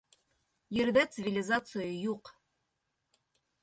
Ерҙә цивилизация юҡ.